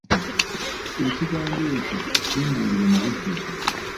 Ekigambo ekyo kimbuulire mu bujjuvu.